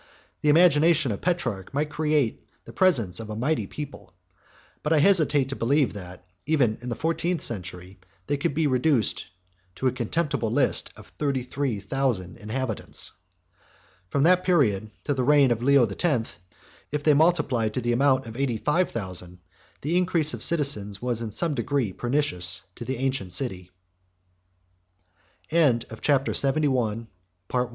The imagination of Petrarch might create the presence of a mighty people; 37 and I hesitate to believe, that, even in the fourteenth century, they could be reduced to a contemptible list of thirty three thousand inhabitants. From that period to the reign of Leo the Tenth, if they multiplied to the amount of eighty five thousand, 38 the increase of citizens was in some degree pernicious to the ancient city. 27 (return) [ Flaminius Vacca